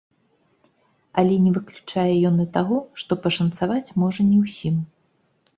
Але не выключае ён і таго, што пашанцаваць можа не ўсім.